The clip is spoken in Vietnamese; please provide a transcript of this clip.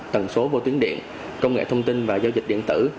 tần số vô tuyến điện công nghệ thông tin và giao dịch điện tử